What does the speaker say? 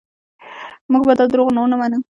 موږ به دا دروغ نور نه منو.